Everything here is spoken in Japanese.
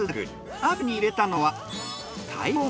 鍋に入れたのは。